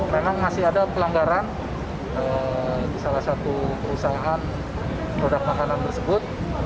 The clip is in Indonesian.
memang masih ada pelanggaran di salah satu perusahaan produk makanan tersebut